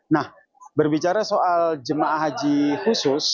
nah berbicara soal jemaah haji khusus